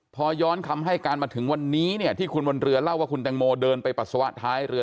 พอย้อนคำให้การมาถึงวันนี้เนี่ยที่คุณบนเรือเล่าว่าคุณแตงโมเดินไปปัสสาวะท้ายเรือ